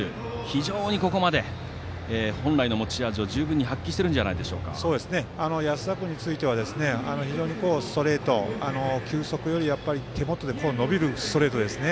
非常にここまで本来の持ち味を十分に発揮しているんじゃ安田君についてはストレート、球速より手元で伸びるストレートですね。